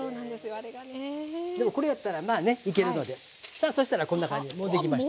さあそしたらこんな感じでもうできました。